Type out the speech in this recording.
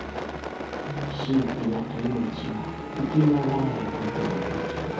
神秘なき命は生きながらえることもできない。